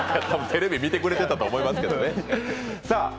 テレビ見てくれてたと思いますけどね。